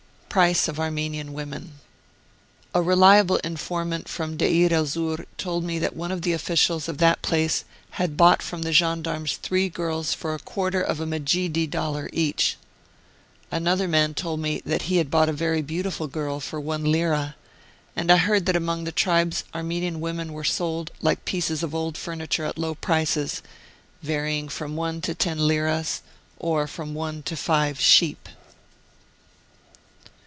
PRICE OF ARMENIAN WOMEN. A reliable in formant from Deir el Zur told me that one of the officials of that place had bought from the gen darmes three girls for a quarter of a medjidie dollar each. Another man told me that he had bought a very beautiful girl for one lira, and I heard that among the tribes Armenian women were sold like pieces of old furniture, at low prices, varying from one to ten liras, or from one to five sheep.